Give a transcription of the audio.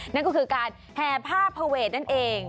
นั่นก็คือการแห่ผ้าผเวทนั่นเอง